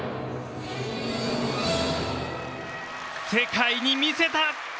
世界に見せた！